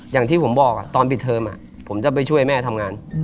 อย่างที่ผมบอกตอนปิดเทอมผมจะไปช่วยแม่ทำงาน